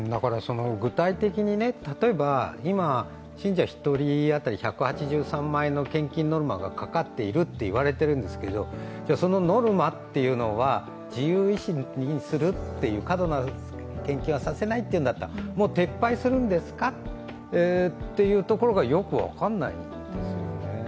具体的に例えば今、信者１人当たり１８３万円の献金ノルマがかかっているといわれているんですけどそのノルマというのは自由意思にする、過度な献金はさせないというんだったら撤廃するんですかというところがよく分からないんですよね。